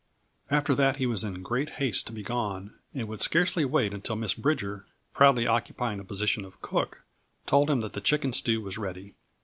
After that he was in great haste to be gone, and would scarcely wait until Miss Bridger, proudly occupying the position of cook, told him that the chicken stew was ready.